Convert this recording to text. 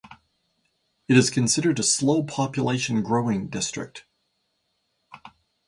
It is considered a slow population growing district.